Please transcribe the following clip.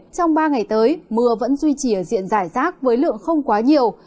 trong ba ngày tới mưa vẫn duy trì ở diện giải rác với lượng không quá nhiều